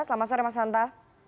selamat sore mas hanta